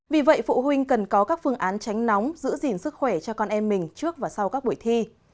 vì vậy phụ huynh cần có các phương án tránh nóng giữ gìn sức khỏe cho con em mình trước và sau các buổi thi